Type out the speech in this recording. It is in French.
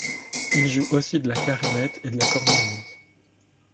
Il joue aussi de la clarinette et de la cornemuse.